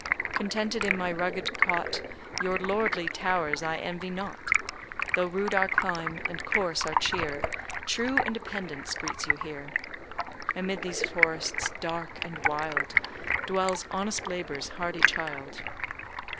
Contented in my rugged cot, Your lordly towers I envy not; Though rude our clime and coarse our cheer, True independence greets you here; Amid these forests, dark and wild, Dwells honest labour's hardy child.